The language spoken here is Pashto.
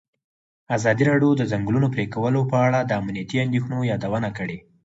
ازادي راډیو د د ځنګلونو پرېکول په اړه د امنیتي اندېښنو یادونه کړې.